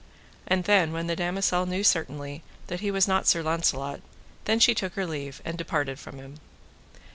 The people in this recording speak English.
And then when the damosel knew certainly that he was not Sir Launcelot, then she took her leave, and departed from him.